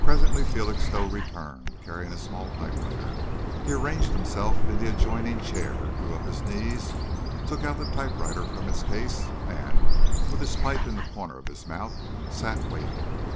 Presently Felixstowe returned, carrying a small typewriter. He arranged himself in the adjoining chair, drew up his knees, took out the typewriter from its case, and, with his pipe in the corner of his mouth, sat waiting.